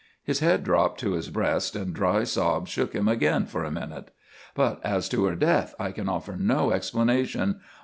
His head dropped to his breast and dry sobs shook him again for a minute. "But as to her death I can offer no explanation.